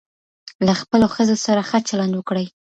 له خپلو ښځو سره ښه چلند وکړئ.